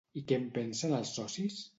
I què en pensen els socis?